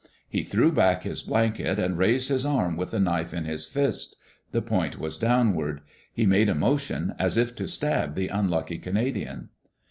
He threw back his blanket and raised his arm with the knife in his fist The point was downward. He made a motion as if to stab the unlucky Canadian.